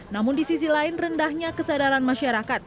namun di sisi lain rendahnya kesadaran masyarakat